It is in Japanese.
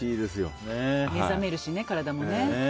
目覚めるしね、体も。